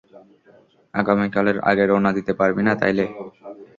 আগামীকালের আগে রওনা দিতে পারবি না তাহলে?